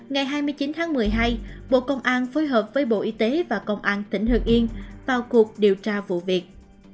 ngày hai mươi chín tháng một mươi hai bộ công an phối hợp với bộ y tế và công an tỉnh hương yên vào cuộc điều tra vụ việc